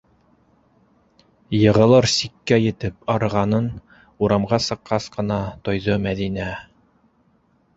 Йығылыр сиккә етеп арығанын урамға сыҡҡас ҡына тойҙо Мәҙинә.